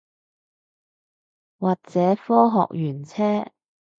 或者科學園車